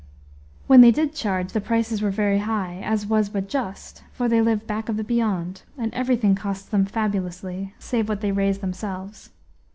When they did charge, the prices were very high, as was but just, for they live back of the beyond, and everything costs them fabulously, save what they raise themselves.